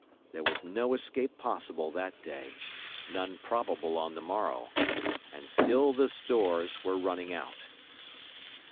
There was no escape possible that day, none probable on the morrow. And still the stores were running out!